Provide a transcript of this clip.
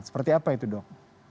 seperti apa itu dok